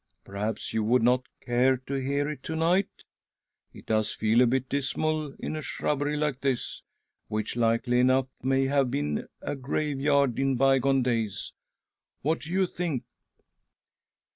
Perhaps you Would not care to hear it to night ? It does feel a bit dismal in a shrubbery like this, which, likely enough, may have been a graveyard in bygone days. What do you think